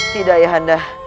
tidak ayah anda